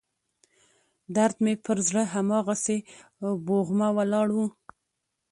درد مې پر زړه هماغسې بوغمه ولاړ و.